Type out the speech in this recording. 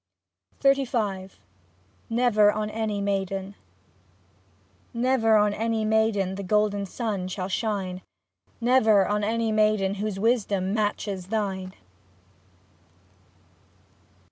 XXXV NEVER ON ANY MAIDEN Never on any maiden, the golden sun shall shine, Never on any maiden whose wisdom matches thine.